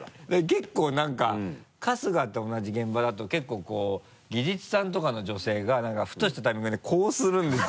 結構なんか春日と同じ現場だと結構こう技術さんとかの女性がふとしたタイミングでこうするんですよ。